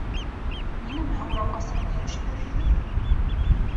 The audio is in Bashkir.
— Ни нәмәһе урамға сығып ирешеп йөрөйһөгөҙ?